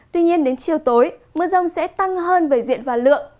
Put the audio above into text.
tuy nhiên đến chiều tối mưa rông sẽ tăng hơn về diện và lượng